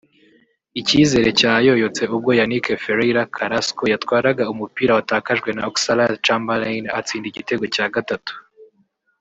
Icyizere cyayoyotse ubwo Yannick Ferreira Carrasco yatwaraga umupira watakajwe na Oxlade-Chamberlain atsinda igitego cya gatatu